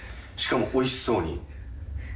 しかもおいしそうに。